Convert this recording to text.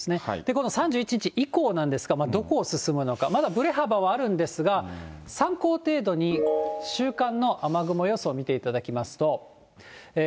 この３１日以降なんですが、どこを進むのか、まだぶれ幅はあるんですが、参考程度に週間の雨雲予想を見ていただきますと。